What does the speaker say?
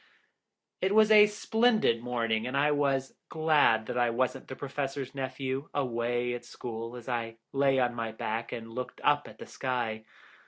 It was a splendid morning, and I was glad that I wasn't the Professor's nephew, away at school, as I lay on my back and looked up at the sky.